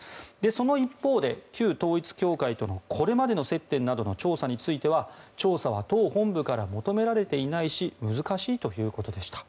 その一方で旧統一教会とのこれまでの接点などの調査については調査は党本部から求められていないし難しいということでした。